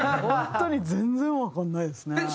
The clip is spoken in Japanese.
本当に全然わかんないですね。